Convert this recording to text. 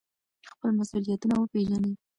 خپل مسؤلیتونه وپیژنئ.